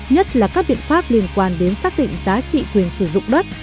nhất là các biện pháp liên quan đến xác định giá trị quyền sử dụng đất